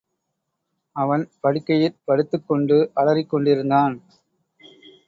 அவன் படுக்கையிற் படுத்துக் கொண்டு அலறிக் கொண்டிருந்தான்.